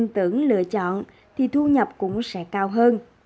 nhưng tin tưởng lựa chọn thì thu nhập cũng sẽ cao hơn